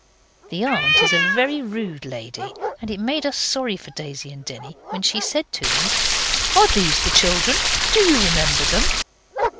The aunt is a very rude lady, and it made us sorry for Daisy and Denny when she said to them 'Are these the children? Do you remember them?